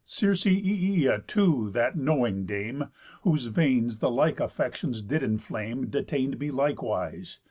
Circe Ææa too, that knowing dame, Whose veins the like affections did enflame, Detain'd me likewise.